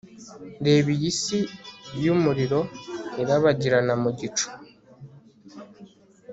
reba iyi si yumuriro irabagirana mu gicu